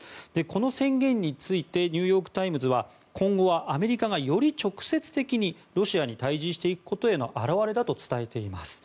この宣言についてニューヨーク・タイムズは今後はアメリカが、より直接的にロシアに対峙していくことへの表れだと伝えています。